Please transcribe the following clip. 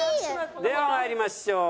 ではまいりましょう。